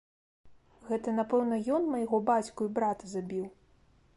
Гэта, напэўна, ён майго бацьку і брата забіў?